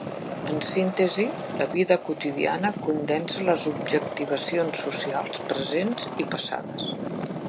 En síntesi, la vida quotidiana condensa les objectivacions socials presents i passades.